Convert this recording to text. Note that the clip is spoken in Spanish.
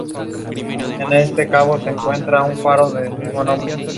La música es anónima.